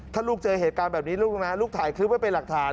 ถ้าลูกเจอเหตุการณ์แบบนี้ลูกนะลูกถ่ายคลิปไว้เป็นหลักฐาน